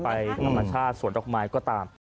ไปธรรมชาติสวนดอกไม้ก็ตาม